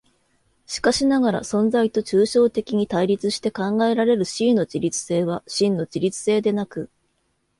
しかしながら存在と抽象的に対立して考えられる思惟の自律性は真の自律性でなく、